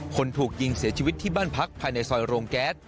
คนถูกยิงเสียชีวิตที่บ้านพักภายในซอยโรงแก๊ส